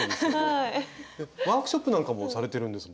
ワークショップなんかもされてるんですもんね。